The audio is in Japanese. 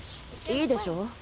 いいでしょ？